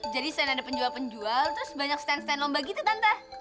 jadi setelah ada penjual penjual terus banyak stand stand lomba gitu tante